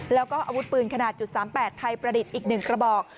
แล้วก็อาวุธปืนขนาด๓๘ไทยประดิษฐ์อีก๑กระบอก